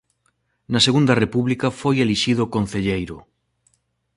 Na Segunda República foi elixido concelleiro.